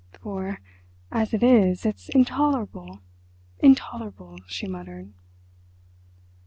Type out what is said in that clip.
"For, as it is, it's intolerable—intolerable!" she muttered.